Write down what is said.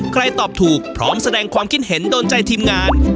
ตอบถูกพร้อมแสดงความคิดเห็นโดนใจทีมงาน